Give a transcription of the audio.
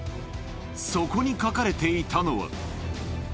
そこに書かれていたのは。